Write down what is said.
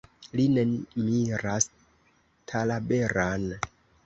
Li ne miras Talaberan.